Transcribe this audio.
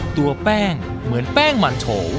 ตัวแป้งเหมือนแป้งมันโฉ